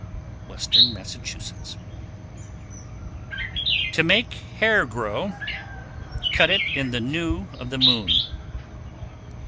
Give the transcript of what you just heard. Western Massachusetts. 1131. To make hair grow, cut it in the new of the moon.